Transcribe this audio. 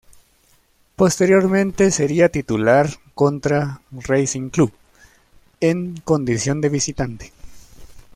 Posteriormente sería titular contra Racing Club, en condición de visitante.